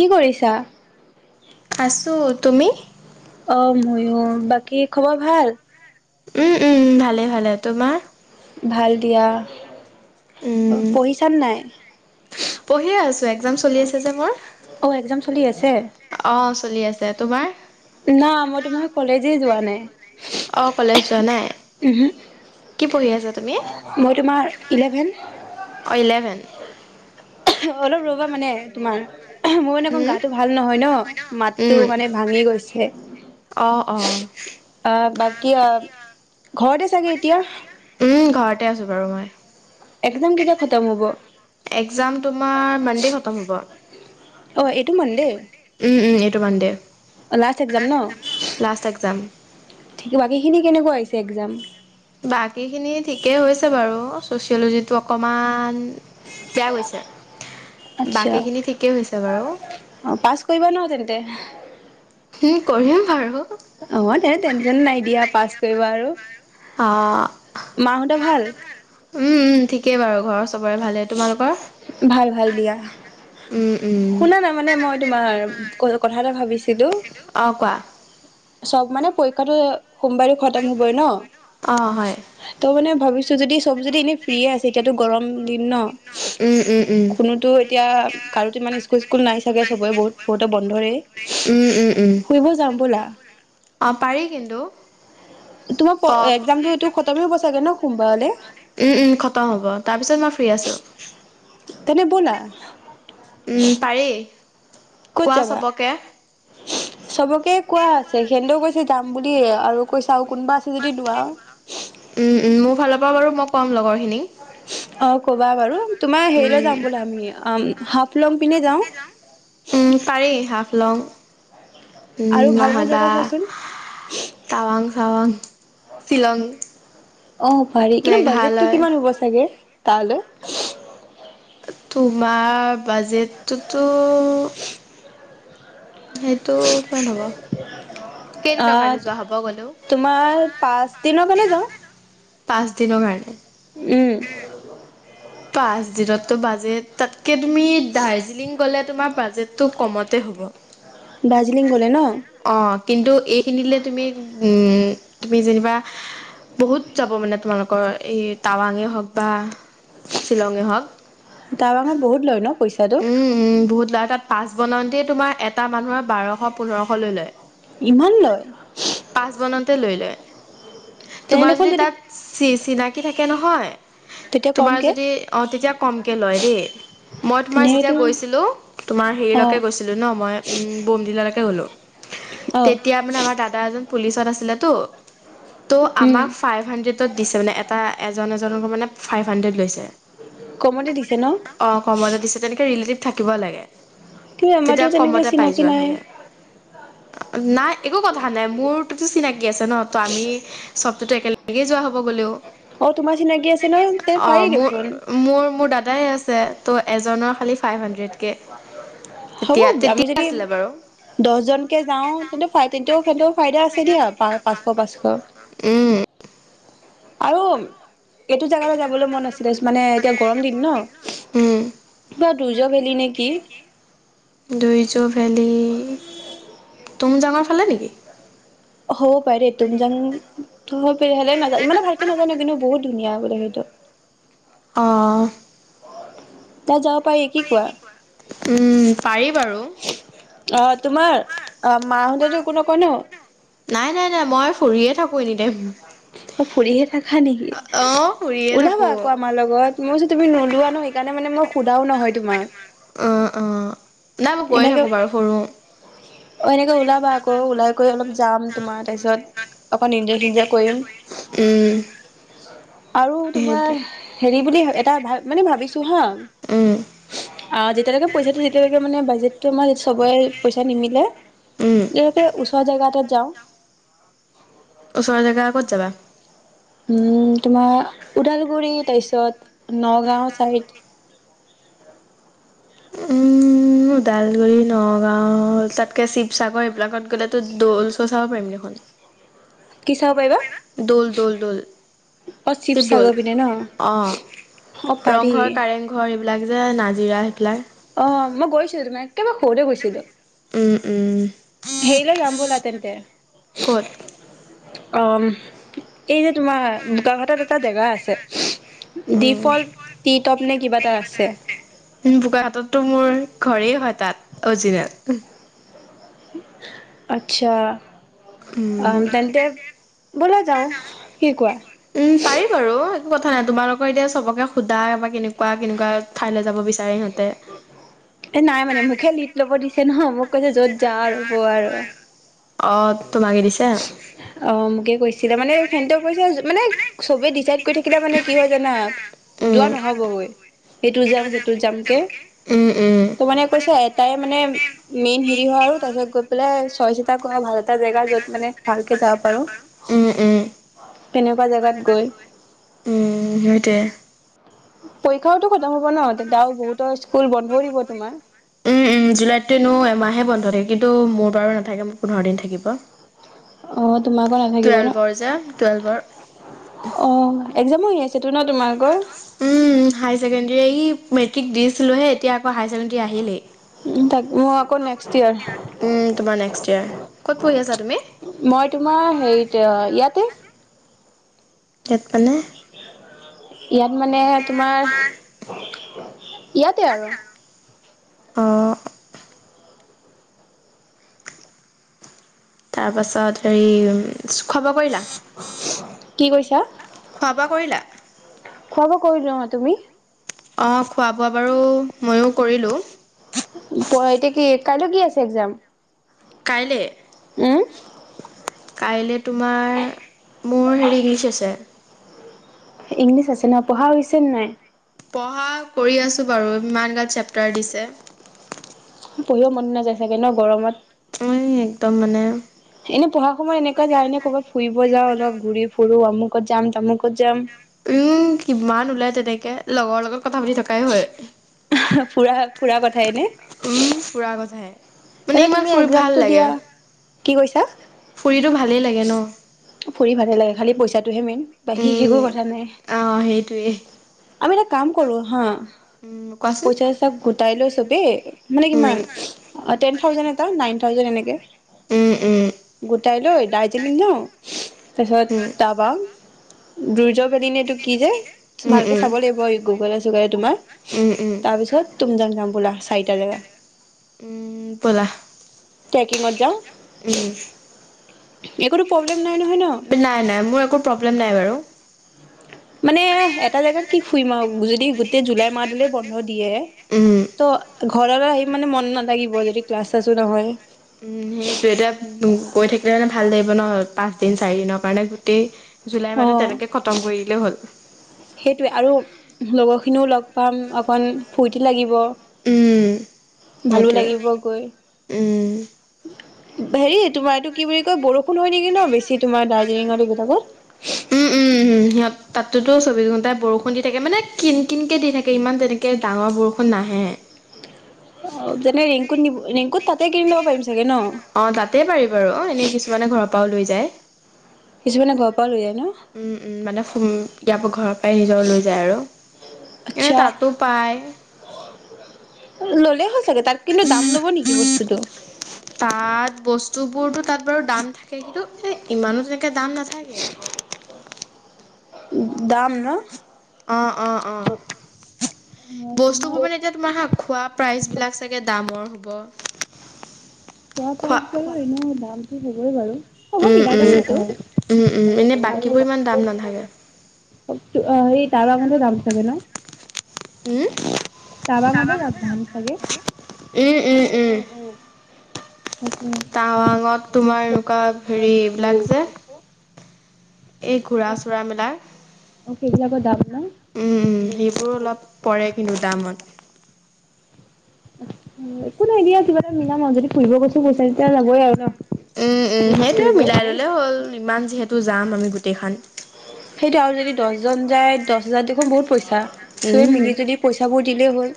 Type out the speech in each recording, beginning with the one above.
কি কৰিছা? খাছো তুমি? অ মইয়ো। বাকী খবৰ ভাল? উম উমম ভালে ভালে তোমাৰ ভাল দিয়া। পঢ়িছা নাই? পঢ়ি আছো এক্সজাম চলি আছে যে মোৰ অ' এক্জাম চলি আছে? অ চলি আছে তোমাৰ না মই তোমাৰ কলেজে যোৱা অ কলেজ নাই। যোৱা নাই উমহু! কি পঢ়ি আছা তুমি মই তোমাৰ ইলেভেন। অ ইলেভেন অলপ ৰ'বা মানে তোমাৰ মোৰ মানে অকন হম গাটো ভাল নহয় ন'! মাতটো উম মানে ভাঙি গৈছে, অ অ আহ! বা কিয়, ঘৰতে চাগে এতিয়া? উম, ঘৰতে আছোঁ বাৰু মই। একজাম কেতিয়া খতম হ'ব? একজাম তোমাৰ মাণ্ডে খতম হ'ব। অ', এইটো মাণ্ডে? উম, উম, এইটো মাণ্ডে। লাষ্ট একজাম ন'? Last exam. ঠিক, বাকীখিনি কেনেকুৱা হৈছে একজাম? বাকীখিনি ঠিকেই হৈছে বাৰু! ছ'চিঅ'লজিটো অকমান বেয়া গৈছে। আচ্ছা বাকীখিনি ঠিকেই হৈছে বাৰু অ', পাছ কৰিবা ন' তেন তে। উম, কৰিম বাৰু। হ'ব দিয়া টেনচন নাই দিয়া পাছ কৰিবা আৰু। অ মাহঁতৰ ভাল? উম উম, ঠিকেই বাৰু ঘৰৰ চ বৰে ভালেই, তোমালোকৰ, ভাল ভাল দিয়া, উম। উম শুনা না মানে মই তোমাৰ ক-কথা এটা ভাবিছ অ', কোৱা। চব মানে পৰীক্ষাটো সোমবাৰে খতম হ'বই ন, অ হয় ত' মানে ভাৱিছোঁ যদি চব যদি এনেই ফ্ৰীয়ে আছে, এতিয়াতো গৰম দিন ন উম উম উম কোনোতো এতিয়া, কাৰোতো মানে স্কু স্কুল নাই চাগে চবৰে বহুত-বহুতৰে বন্ধৰেই, উম উম উম ফুৰিব যাওঁ ব'লা। পাৰি কিন্তু, চব, তোমাৰ একজামটো এইটো খতমেই হ'ব চাগে ন সোমবাৰলে, উম উম, খতম হ'ব, তাৰপিছত মই ফ্ৰী আছোঁ। তেনে ব'লা উম পাৰি। ক'ত কোৱা যাবা? চবকে চবকে কোৱা আছে সেতেও কৈছে যাম বুলি আৰু কৈছাও উম উম মোৰ ফাল পা বাৰু মই ক'ম লগৰ অ কবা বাৰু তোমাৰ হেৰি লৈ যাম বোল আমি হাফ উম পাৰি হফ লং উ আৰু ভাল ভাল মদা জেগা চোৱাচোন। টাৱাং চাৱাং শ্বিলং অ পাৰি কিন্তু বাজেটটো মেঘালয় কিমান হ'ব চাগে তালৈ তোমাৰ বাজেটতোতো হুমচ সেইটো কিমান হ'ব কেইদিনৰ আহ কাৰণে যোৱা হ'ব গ'লেও তোমাৰ পাঁচ দিনৰ কাৰণে যাও পাঁচ দিনৰ কাৰণে উম পাঁচ দিনতো বাজেট তাতকে তুমি দাৰ্জিলিং গ'লে তোমাৰ বাজেট তো কমতে হব দাৰ্জিলিং গ'লে ন কিন্তু এইখিনিলে তুমি উম তুমি যেনিবা বহুত যাব মানে তোমালোকৰ এই টাৱাঙে হওক বা শ্বিলঙে হওক টাৱাঙত বহুত লয় ন পইচাটো পাচ বনাওঁতে তোমাৰ এটা মানুহৰ বাৰশ পোন্ধৰশ লৈ লয় ইমান লয় পাছ বনাওঁতে লৈ লয় তেনে তোমাৰ দেখোন যদি তাত চিনাকি থাকে নহয় তেতিয়া তোমাৰ কমকে যদি অ তেতিয়া কমকে লয় দেই মই তোমাৰ তেনে সেইটো যেতিয়া গৈছিলো তোমাৰ অ হেৰিলৈকে গৈছিলো ন মই বোমডিললৈকে গ'লোঁ অ তেতিয়া মানে আমাৰ দাদা এজন পুলিচত আছে ছিলেতো ত' উম আমাক ফাইভ হাড্ৰেডত দিছে মানে এটা এজন এজনকো মানে ফাইভ হাণ্ড্ৰেড লৈছে কমতে দিছে ন অ কমতে দিছে তেনেকে ৰিলেটিভ থাকিব লাগে কিন্তু আমাৰতো তেতিয়া তেনেকে কমতে পাই চিনাকি যোৱা নাই। থাকে নাই একো কথা নাই মোৰতো চিনাকি আছে ন ত আমি চবটোতো একেলগে যোৱা হব গলেও অ তোমাৰ চিনাকি আছে নহয় তে অ পাৰি মোৰ দেখোন মোৰ মোৰ দাদাই আছে ত' এজনৰ খালি ফাইভ হাণ্ড্ৰেড কে। হ'ব তেতিয়া আমি তেতিয়া যদি আছিলে বাৰু দহ জনকে যাওঁ তেন্তে-তেন্তে স ফাইদা আছে দিয়া প পাঁচশ-পাঁচশ উম আৰু এইটো জোগালৈ যাবলৈ মন আছিলে মানে এতিয়া গৰম দিন ন। দুৰ্য ভেলী নে কি দুইযোৰ ভালে তুমজাঙৰ ফালে নেকি? হ'ব পাৰে দে টোমযান হলে নাজ ইমানে ভালকে নাজানো কিন্তু বহুত। ধুনীয়া বুলে সেইটো অঁ, ত য পায়ে কি কোৱা। উম', পাৰি বাৰু। অহ, তোমাৰ অ' মাহতে একো নকয় ন। কৰিয়েই অ ফুৰিহে থাকা নেকি অ', শুইয়ে ওলাবা থাকো। আকৌ আমাৰ লগত মইছো তুমি নোলোৱা ন সেইকাৰণে মানে মই ওলাও নহয় তোমাৰ অ', অ', নাই মই গৈয়ে এনেকে থাকো বাৰু সৰু অ' এনেকে ওলাবা আকৌ ওলাই কৰিৈ অলপ যাম তোমাৰ তাৰপিছত অকণ ইনজয় চিনজয় কৰিম উম। আৰু সেইটোৱে। তোমাৰ হেৰি বুলি এটা ভ মানে ভাবিছো হা উম, অ যেতিয়ালৈকে পইচা দি তেতিয়ালৈকে মানে বাজেতটো আমাৰ চবেই পইচা নিমিলে উম, ইয়াৰ পৰা ওচৰৰ জেগা এটাত যাওঁ। ওচৰৰ জেগা ক'ত যাবা। তোমাৰ ওদালগুৰি তাৰপিছত নগাঁও ছাইড, উম' ওদালগুৰি, নগাঁও তাতকে শিৱসাগৰ এইবিলাকত গ'লেতো দৌল চল চাব পাৰিম দেখোন। কি চাব পাৰিবা দৌল, দৌল, দৌল, অঁ' শিৱদৌল। শিৱসাগৰ পিনে ন অ', অঁ, পাৰি। ৰংঘৰ, কাৰেংঘৰ এইবিলাক যে নাজিৰা সেইফেলাই। অ' মই গৈছিলো তোমাৰ একেবাৰে সৰুতে গৈছিলো। উম-উম। হেৰিলৈ যাম ব'লা তেন্তে। ক'ত? অ' এই যে তোমাৰ বোকাঘাটত এটা জেগা আছে। ডিফ'ল্ট টি টপ নে কিবা এটা আছে। উম, বোকাখাততটো মোৰ ঘৰেই হ তাত অৰজিনেল। আচ্ছা', উম-উম তেন্তে ব'লা যাওঁ কি কোৱা পাৰি বাৰু একো কথা নাই তোমাৰ কৰি দিয়ে চবকে সোধা বা কেনেকুৱা। কুৱা-কেনেকুৱা ঠাইলৈ যাব বিচ চাৰেহত [unintelligible] এ' নাই মানে মোকে লিট ল'ব দিছে নহয় মোক কৈ য'ত যা আৰু ব আৰু অঁ। তোমাগি দিছে? ছিলে, মানে সেতে কৈছে, মানে চবে ডিচাইড কৰি থাকিলে মানে কি হয় জানা, যোৱা উম, নহবগৈ, সেইটো যাম সেইটোত যাম কে, উম, উম। তো মানে কৈছ এটাই মানে মেইন হেৰি হয় আৰু তাৰ পিছত গৈ পেলাই চইচ এটা কৰ ভাল এটা জেগা য'ত মানে ভালকে যাব পাৰো। উম, উম, তেনেকুৱা জেগাত গৈ সতোয়ে। পৰীক্ষাওটো কতম হ'ব ন? দাৱ বহুতৰ স্কুল বন্ধও দিব তোমাৰ। উম-উম, জুলাই তো ইনেও এমাহ াহে বন্ধ থাকে। কিন্তু মোৰ বাৰু নাথাকে, মোৰ পোন্ধৰ দিন থাকিব। অ' তোমাৰাকো নাথাকিব ন। টুৱেলভৰ যে টুৱেলভৰ অঁ এক্জামো আ সেইটো নাই তোমাৰ আকৰ উম হাই ছেকেণ্ডাৰী আহি, মেট্ৰিক দিছিলোহে এতিয়া আকৌ হাইাৰ ছেকেণ্ডোৰী আহিলেই। উ' তাক মই আকৌ নেক্স ইয়াৰ, উম, তোমাৰ নেক্সট ইয়েৰ। ক'ত পঢ়ি আছা তুমি? মই তোমাৰ হেৰিত ইয়াতে য়াত মানে? উম [inaudible] ইয়াত মানে তোমাৰ উ [inaudible] ইয়াতে আৰু। অঁ'হ। তাৰ পাছত হেৰি খবৰ কৰিলা? কি কৈছা? খোৱা বোৱা কৰিলা? খোৱা বোৱা কৰিলো অ'। তুমি? অঁ খোৱা বোৱা বাৰু ময়ো কৰিলোঁ। এতিয়া কি, কাইলৈ কি আছে এক্জাম? কাইলৈ উম। কাইলৈ তোমাৰ, মোৰ হেৰি ইংলিছ আছে। ইংলিছ আছে ন, পঢ়া হৈছে নে নাই? পঢ়া কৰি আছো বাৰু, ইমান গাল চেপ্তাৰ দিছে। পঢ়িও মন নাযায় চাগে ন গৰমত? উ'ম একদম মানে এনে পঢ়া সময়ত এনেকুৱা যায় ননে, ক'ৰবাত ফুৰিব যাওঁ অলপ ঘূৰি ফুুৰো অমুকত যাম তামুকত যাম! উম কিমান ওলাই তেনেকে, লগৰ লগত কথা পাতি থকাই হয়। ফুৰা ফুৰা কথাইনে? উম ফুৰা কথাহে মানে তে ইমান তুমি ফুৰি ভাল একজামতটো লাগে দিয়া। কি কৈছা? ফুৰিতো ভালেই লাগে ন ফোৰি ভালে লাগ খালি পইচা মেইন বাকী একো উম কথা নাই অ সেইটোৱে আমি এটা কাম কৰো হাঁ উম কোৱাচোন পইচাঁচাক গোটাই লৈ চব এই মানে উম কিমান টেন থাউজড এটা নাইন তাৰ পাছত এনেকে উম উম গোটাই লৈ দাৰ্জিলিং যাওঁ উম উম তাৰপিছত তাপা দুৰ্যবদনেতটো কি যে উম ভালকে চাব লাগিব এই গুগলে চুগলে তোমাৰ উম উম তাৰপিছত তুম যং যাম বোলা চাৰিটা জেগা উম বলা পেকিংত যা উম এইকনো প্ৰব্লেম নাই নহয় ন নাই নাই মোৰ একো প্ৰব্লেম ন বাৰু মানে এটা জেগাত কি ফুৰিম আৰু যদি গোটেই জুলাই মাহ দলে বন্ধ দিয়ে উম ত ঘৰলৈ আহি মানে মন নাথাগিব যদি ক্লাছ আছো নহয় উম সেইটো এতিয়া গৈ থাকিলে মানে ভাল লাগিব ন পাঁচ দিন চাৰি দিনৰ কাৰণে গোটেই জুলাই মাহত অঁ তেনেকৈ খতম কৰি দিলেই হ'ল সেইটোৱে আৰু লগৰখিনিওঁ লগ পাম অকণ ফূৰ্তি লাগিব উম ভালো লাগিব সেইটোৱে গৈ উম হেৰি তোমাৰ এইটো কি বুলি কয় বৰষুণ হয় নেকি ন বেছি তোমাৰ মাৰ দাৰ্জিলিঙৰ এইবিলাকত উম উম উম তাতোতো চৌবিশ ঘন্টাই বৰষুণ দি থাকে মানে কিন কিনকে দি থাকে ইমান তেনেকে ডাঙৰ বৰষুণ নাহে অঁ যেনে ৰিংকুত নিব ৰিংকুত তাতে কিনি লব পাৰিম চাগে ন অ য় কিছুমানে ঘৰৰ পৰা লৈ যায় ন উম উম মানে ইয় পৰা ঘৰৰ পৰাই নিজৰ লৈ যায় আৰু এনে আচ্ছা তাতো পায় ল'লে হয় চাগে তাত কিন্তু দাম ল'ব নেকি বস্তুটো তাত বস্তু বোৰতো তাত বাৰু দাম থাকে কিন্তু এ ইমানো তেনেকে দাম নাথাকে। [unintelligible] দাম ন অঁ অঁ অঁ অ তোমাৰ বস্তুবোৰ মানে এতিয়া তোমাৰ হাঁ খোৱা প্ৰাইচবিলাক চাগে দামৰ হ'ব খোৱা পাইক [unintelligible] দাম কি হ'বই বাৰু হ'ব উম মিলাই ল'ম উম সেইটো উম উম এনে বাকীবোৰ ইমান দাম নাথাকে এই তাদা মতে দাম থাকে ন [unintelligible] উম উম উম টাৱাঙতে যাম যাম চাগে তাকে টাৱাঙত তোমাৰ এনেকুৱা হেৰি এইবিলাক যে এই ঘোৰা চোৰা মেলা অ সেইবিলাকৰ দাম ন উম উম সেইবোৰ অলপ পৰে কিন্তু দামত একো নাই দিয়া কিবা এটা মিলাম আৰু যদি ফুৰিব গৈছো পইছা যেতিয়া যাবই আৰু ন। উম উম সেইটোৱে ফুৰিব মিলাই গ'লে ললে হ'ল ইমান যিহেতু যাম আমি গোটেইখন সেইটো আৰু যদি দহজন যায় দহ হাজাৰ দেখোন বহুত পইচা চবেই উম। মিলি তুলি পইচাবোৰ দিলেই হ'ল।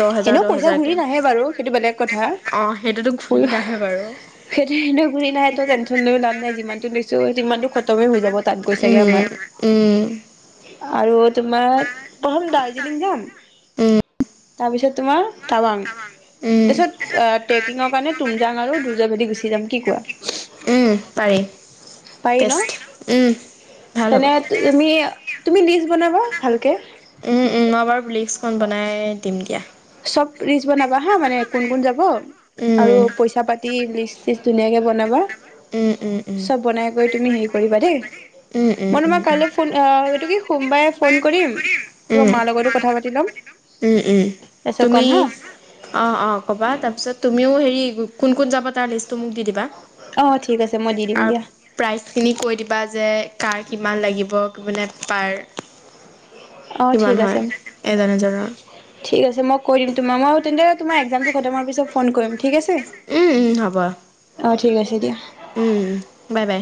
দহ হেজাৰ এনেও দহ পইচা হেজাৰকে ঘুৰি নাহে বাৰু সেইটো বেলেগ কথা। অ' সেইটোতো ঘূৰি নাহে বাৰু। সেইটো এনেও ঘুৰি নাহে তো টেনচন লৈ লাভ নাই। যিমানটো নিছো সিমানটো খতমে হৈ যাব তাত। গৈ চাগে উম আমাৰ উম আৰু তোমাৰ পথম দাৰ্জিলিং যাম তাৰপিছত তোমাৰ টাৱাং উম, তাৰপিছত ট্ৰেকিঙৰ কাৰণে তুমজাং আৰু দুৰ্জাভেদি গুচি যাম কি কোৱা উম, পাৰি পাৰি ন বেষ্ট উম। ভাল হ'ব তেনে তুমি তুমি লিষ্ট বনাবা ভালকে উম উম মই বাৰু লিষ্টখন বনাই দিম দিয়া চব লিষ্ট বনাবা হা মানে কোন কোন যাব আৰু উম। পইচা পাতি কি লিষ্ট চিষ্ট ধুনীয়াকে বনাবা। উম, উম, উম। চব বনাই কৰি তুমি হেৰি কৰিবা দেই উম উম মই উম তোমাক উম। কাইলৈ ফোন সটো কি সোমবাৰে ফোন কৰিম তোমাৰ মাৰ ত' লগতো কথা পাতি ল'ম। উম উম তাৰপিছত তুমি ক'ম হা অ অ কবা তাৰপিছত তুমিও হেৰি কোন কোন যাব তাৰ লিষ্টটো মোক দি দিবা অ ঠিক আছে মই দি দিম আৰু দিয়া প্ৰাইজ খিনি কৈ দিবা যে কাৰ কি- কিমান লাগিব মানে পাৰ- অ ঠিক কিমান হয় আছে এজন এজনৰ ঠিক আছে। মই কৈ দিম তোমাৰ মই হ তেন্তে তোমাৰ এক্সামটো খমোৱাৰ পিছত- ফোন কৰিম ঠিক আছে উম উম হ'ব অ ঠিক আছে দিয়া। উম বাই বাই।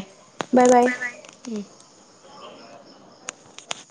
Bye bye.